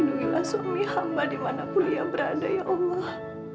lindungilah suami hamba dimanapun ya berada ya allah